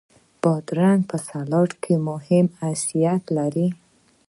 بادرنګ په سلاد کې مهم حیثیت لري.